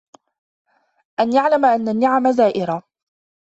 أَنْ يَعْلَمَ أَنَّ النِّعَمَ زَائِرَةٌ